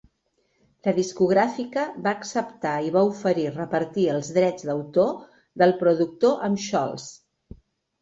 La discogràfica va acceptar i va oferir repartir els drets d'autor del productor amb Scholz.